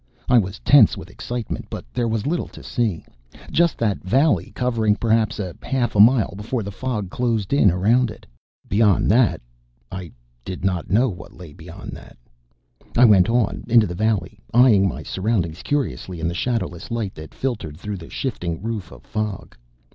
I was tense with excitement. But there was little to see. Just that valley covering perhaps a half mile before the fog closed in around it. Beyond that I did not know what lay beyond that. I went on, into the valley, eyeing my surroundings curiously in the shadowless light that filtered through the shifting roof of fog.